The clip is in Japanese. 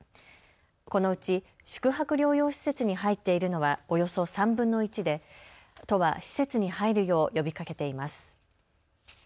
このうち宿泊療養施設に入っているのはおよそ３分の１で都は施設に入るよう呼びかけています。